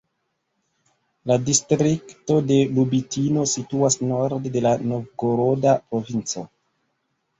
La distrikto de Lubitino situas norde de la Novgoroda provinco.